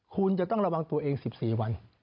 คุณจะต้องระวังตัวเอง๑๔วัน